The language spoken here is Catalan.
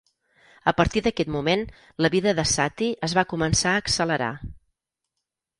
A partir d'aquest moment, la vida de Satie es va començar a accelerar.